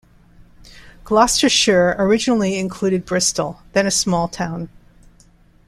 Gloucestershire originally included Bristol, then a small town.